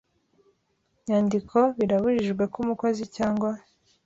nyandiko birabujijwe ko umukozi cyangwa